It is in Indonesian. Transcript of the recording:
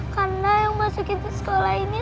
karena yang masuk kita sekolah ini